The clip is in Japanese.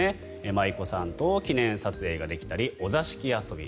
舞妓さんと記念撮影ができたりお座敷遊び